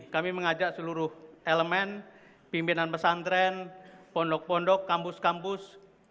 kami mengajak seluruh elemen pimpinan pesantren pondok pondok kampus kampus